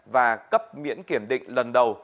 và cấp miễn kiểm định lần đầu